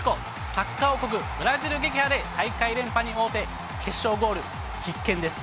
サッカー王国、ブラジル撃破で大会連覇に王手、決勝ゴール、必見です。